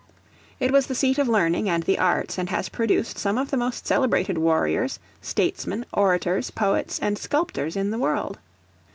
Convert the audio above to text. It was the seat of learning and the arts, and has produced some of the most celebrated warriors, statesmen, orators, poets, and sculptors in the world.